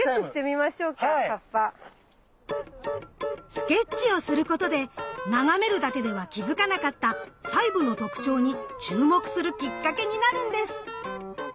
スケッチをすることで眺めるだけでは気付かなかった細部の特徴に注目するきっかけになるんです。